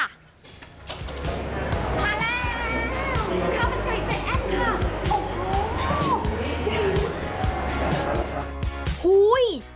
พาแล้วข้าวมันไก่ใจแอ้นเหลือโอ้โห